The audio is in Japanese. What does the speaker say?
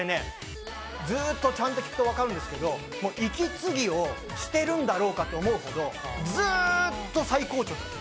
ずっとちゃんと聴くとわかるんですけど、息継ぎをしてるんだろうかと思うほど、ずっと最高潮。